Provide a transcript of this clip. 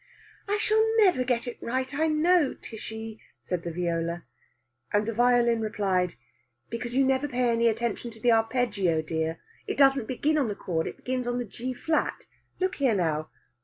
"I shall never get it right, I know, Tishy," said the viola. And the violin replied: "Because you never pay any attention to the arpeggio, dear. It doesn't begin on the chord. It begins on the G flat. Look here, now.